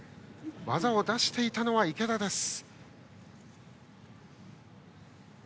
技を出していたのは池田です。